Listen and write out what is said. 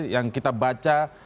yang kita baca